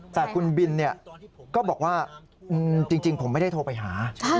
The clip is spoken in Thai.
แต่คุณบินก็บอกว่าจริงผมไม่ได้โทรไปหา